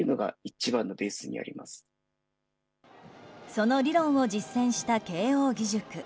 その理論を実践した慶應義塾。